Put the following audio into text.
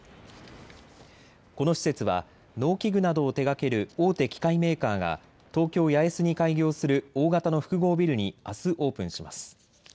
この施設は農機具などを手がける大手機械メーカーが東京八重洲に開業する大型の複合ビルにあすオープンします。